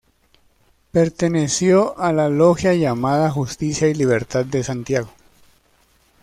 Perteneció a la Logia llamada Justicia y Libertad de Santiago.